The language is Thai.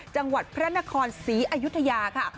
จังหวัดพระนครศรีอยุธยาค่ะ